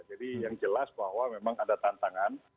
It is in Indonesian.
jadi yang jelas bahwa memang ada tantangan